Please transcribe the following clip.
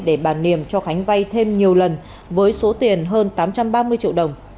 để bà niềm cho khánh vay thêm nhiều lần với số tiền hơn tám trăm ba mươi triệu đồng